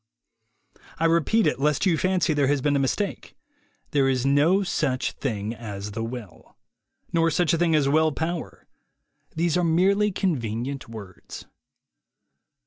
I repeat it, lest you fancy there has been a mis print. There is no such thing as the will. Nor such a thing as will power. These are merely con venient words.